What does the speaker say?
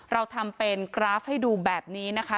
เราทำเป็นกราฟให้ดูแบบนี้นะคะ